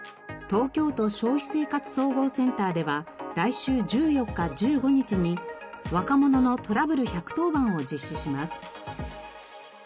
東京都消費生活総合センターでは来週１４日１５日に「若者のトラブル１１０番」を実施します。